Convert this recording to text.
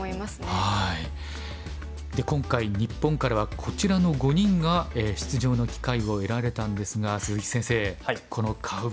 今回日本からはこちらの５人が出場の機会を得られたんですが鈴木先生この顔ぶれどうでしょう。